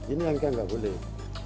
ini yang kan nggak boleh